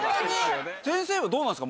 先生はどうなんですか？